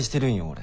俺。